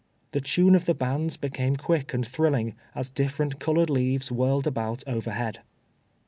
The tune of the bands became quick and thrilling, as different colored leaves whirled about overhead.